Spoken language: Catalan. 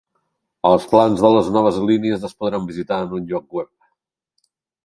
Els plans de les noves línies es podran visitar en un lloc web.